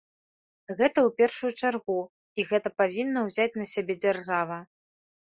Гэта ў першую чаргу, і гэта павінна ўзяць на сябе дзяржава.